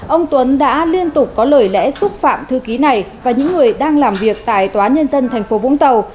ông tuấn đã liên tục có lời lẽ xúc phạm thư ký này và những người đang làm việc tại tòa nhân dân tp vũng tàu